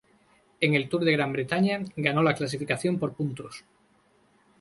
En el Tour de Gran Bretaña, ganó la clasificación por puntos.